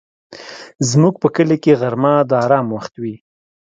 زموږ په کلي کې غرمه د آرام وخت وي